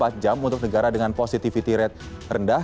lima x dua puluh empat jam untuk negara dengan positivity rate rendah